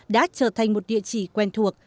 đã trở thành một địa chỉ quen thuộc